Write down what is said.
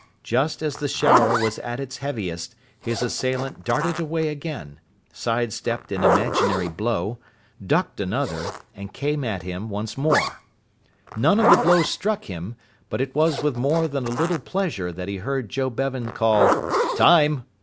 Just as the shower was at its heaviest his assailant darted away again, side stepped an imaginary blow, ducked another, and came at him once more. None of the blows struck him, but it was with more than a little pleasure that he heard Joe Bevan call "Time!"